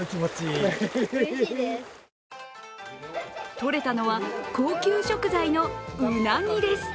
とれたのは高級食材のうなぎです。